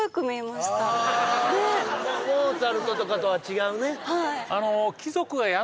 あモーツァルトとかとは違うね